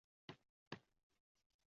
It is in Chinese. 宋史演义共有一百回。